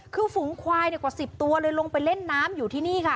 คือฝูงควายกว่า๑๐ตัวเลยลงไปเล่นน้ำอยู่ที่นี่ค่ะ